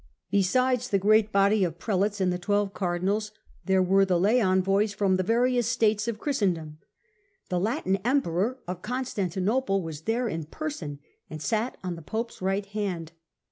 Besides the great body of Prelates and the twelve Cardinals, there were the lay envoys from the various states of Christendom. The Latin Emperor of Constantinople was there in person and sat on the Pope's right hand.